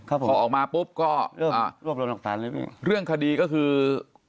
ครับผมพอออกมาปุ๊บก็อ่าร่วมรวมรับสารเลยพี่เรื่องคดีก็คือ